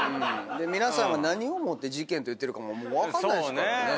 皆さんが何をもって事件と言ってるか分かんないですから。